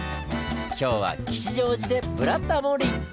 今日は吉祥寺で「ブラタモリ」！